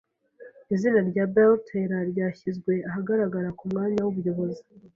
Izina rya Barry Taylor ryashyizwe ahagaragara ku mwanya w'umuyobozi.